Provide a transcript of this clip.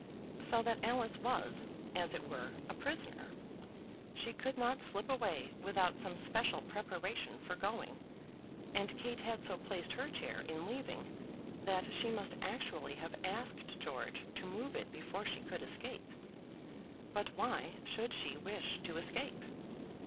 So that Alice was, as it were, a prisoner. She could not slip away without some special preparation for going, and Kate had so placed her chair in leaving, that she must actually have asked George to move it before she could escape. But why should she wish to escape?